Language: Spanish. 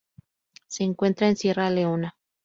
Se encuentra en Sierra Leona.